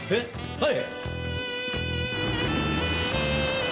はい。